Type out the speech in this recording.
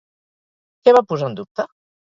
Què va posar en dubte?